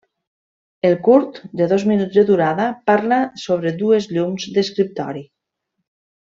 El curt, de dos minuts de durada, parla sobre dues llums d’escriptori.